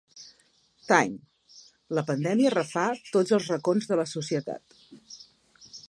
Time: La pandèmia refà tots els racons de la societat.